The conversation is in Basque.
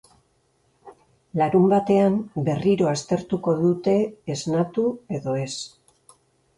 Larunbatean berriro aztertuko dute esnatu edo ez.